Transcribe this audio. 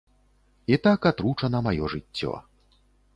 І так атручана маё жыццё.